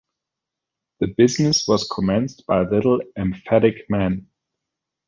The business was commenced by a little emphatic man.